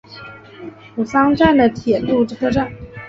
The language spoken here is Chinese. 吾桑站的铁路车站。